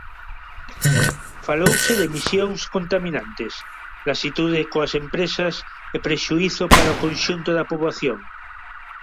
Falouse de emisións contaminantes: lasitude coas empresas e prexuízo para o conxunto da poboación.